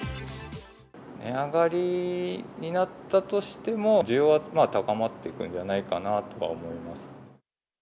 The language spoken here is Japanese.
値上がりになったとしても、需要は高まっていくんではないかなと思います。